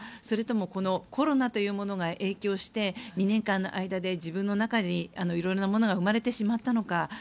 それともコロナというものが影響して２年間の間で自分の中にいろいろなものが生まれてしまったのか。